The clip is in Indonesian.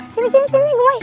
sini sini gue mau